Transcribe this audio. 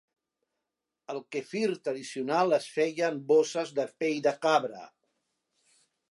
El quefir tradicional es feia en bosses de pell de cabra.